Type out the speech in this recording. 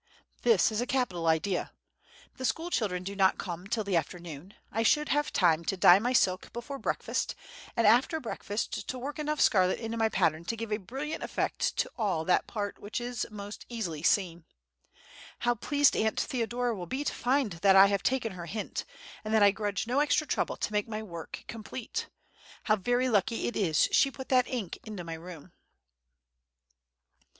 This is a capital idea! The school children do not come till the afternoon; I should have time to dye my silk before breakfast, and after breakfast to work enough scarlet into my pattern to give a brilliant effect to all that part which is most easily seen. How pleased Aunt Theodora will be to find that I have taken her hint, and that I grudge no extra trouble to make my work complete! How very lucky it is that she put that ink into my room!"